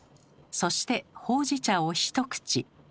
そしてほうじ茶を一口。